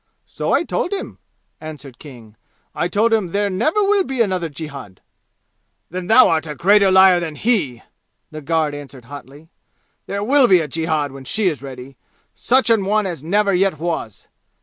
"So I told him!" answered King. "I told him there never will be another jihad."' "Then art thou a greater liar than he!" the guard answered hotly. "There will be a jihad when she is ready, such an one as never yet was!